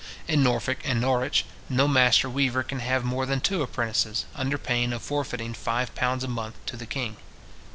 In Norfolk and Norwich, no master weaver can have more than two apprentices, under pain of forfeiting five pounds a month to the king.